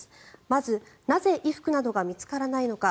まず、なぜ衣服などが見つからないのか。